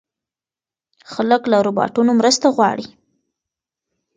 خلک له روباټونو مرسته غواړي.